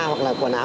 hoặc là quần áo